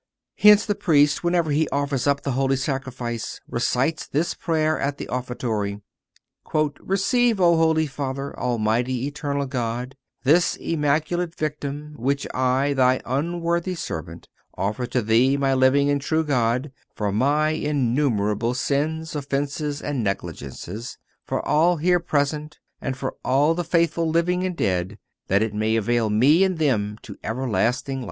(404) Hence the Priest, whenever he offers up the holy sacrifice, recites this prayer at the offertory: "Receive, O holy Father, almighty, eternal God, this immaculate victim which I, Thy unworthy servant, offer to Thee, my living and true God, for my innumerable sins, offences and negligences, for all here present, and for all the faithful living and dead, that it may avail me and them to life everlasting."